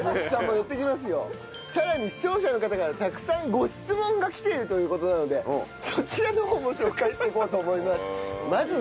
さらに視聴者の方からたくさんご質問が来ているという事なのでそちらの方も紹介していこうと思います。